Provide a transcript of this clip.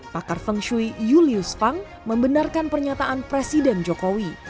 pakar feng shui julius fang membenarkan pernyataan presiden jokowi